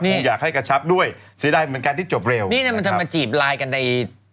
นี่อยากให้กระชับด้วยเสียดายเหมือนกันที่จบเร็วนี่น่ะมันจะมาจีบไลน์กันใน